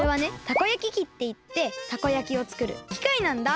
たこ焼き器っていってたこ焼きをつくるきかいなんだ。